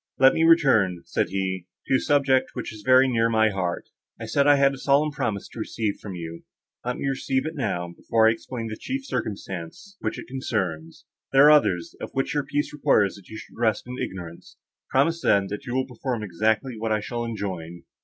"Let me return," said he, "to a subject, which is very near my heart. I said I had a solemn promise to receive from you; let me receive it now, before I explain the chief circumstance which it concerns; there are others, of which your peace requires that you should rest in ignorance. Promise, then, that you will perform exactly what I shall enjoin."